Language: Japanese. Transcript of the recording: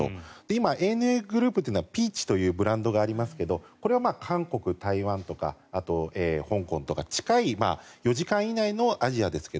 今、ＡＮＡグループというのはＰｅａｃｈというブランドがありますがこれは韓国、台湾とか香港とか近い４時間以内のアジアですが。